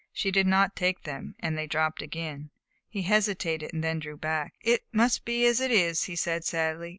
She did not take them, and they dropped again. He hesitated, and then drew back. "It must be as it is," he said sadly.